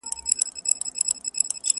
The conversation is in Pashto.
سپیني سپوږمۍ حال راته وایه؛